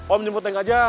om jemput neng aja